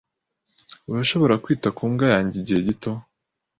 Urashobora kwita ku mbwa yanjye igihe gito?